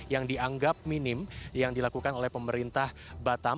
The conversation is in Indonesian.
yang dianggap minim yang dilakukan oleh pemerintah batam